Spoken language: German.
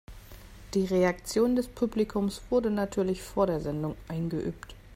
Die Reaktion des Publikums wurde natürlich vor der Sendung eingeübt.